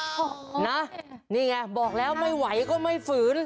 อ๊าวน้าวนานี้ไงบอกแล้วไม่ไหวก็ไม่ฝืน